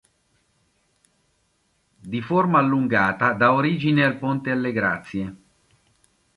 Di forma allungata, dà origine al ponte alle Grazie.